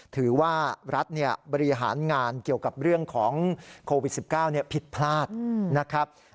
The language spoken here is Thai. ถือว่ารัฐบริหารงานเกี่ยวกับเรื่องของโควิด๑๙ผิดพลาดนะครับ